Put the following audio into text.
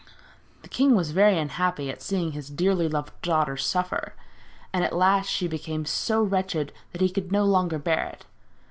The king was very unhappy at seeing his dearly loved daughter suffer, and at last she became so wretched that he could no longer bear it.